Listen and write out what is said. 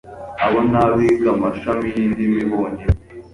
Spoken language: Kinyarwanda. abo n'abiga amashami y'indimi bonyine.